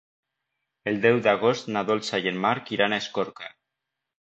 El deu d'agost na Dolça i en Marc iran a Escorca.